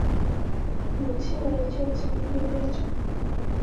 母亲为救济医院院长。